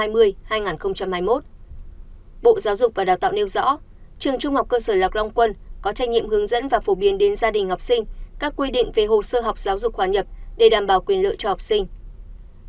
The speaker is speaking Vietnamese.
bộ giáo dục và đào tạo nêu rõ trường trung học cơ sở lạc long quân có trách nhiệm hướng dẫn và phổ biến đến gia đình học sinh các quy định về hồ sơ học giáo dục hòa nhập để đảm bảo quyền lợi cho học sinh